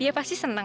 dia pasti senang